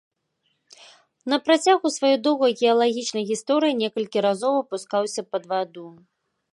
На працягу сваёй доўгай геалагічнай гісторыі некалькі разоў апускаўся пад ваду.